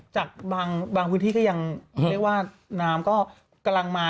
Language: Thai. จากบางพื้นที่ก็ยังเรียกว่าน้ำก็กำลังมา